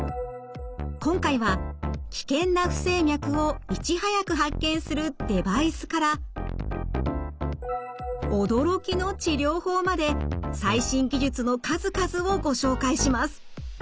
今回は危険な不整脈をいち早く発見するデバイスから驚きの治療法まで最新技術の数々をご紹介します。